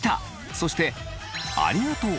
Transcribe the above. そしてありがとう！